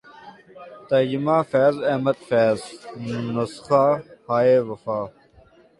ترجمہ فیض احمد فیض نسخہ ہائے وفا